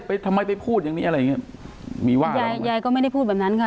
ทำไมไปพูดอย่างนี้อะไรอย่างเงี้ยมีว่ายายยายก็ไม่ได้พูดแบบนั้นค่ะ